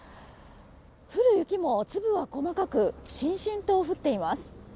降る雪も粒は細かくしんしんと降っています。